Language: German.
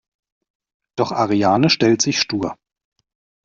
Doch Ariane stellt sich stur.